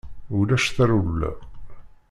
Ulac tarewla.